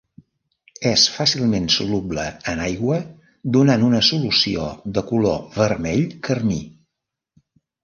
És fàcilment soluble en aigua, donant una solució de color vermell carmí.